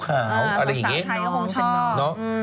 สาวสาวไทยเขาก็ชอบ